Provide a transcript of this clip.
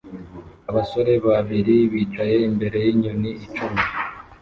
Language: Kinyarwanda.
Abasore babiri bicaye imbere yinyoni cumi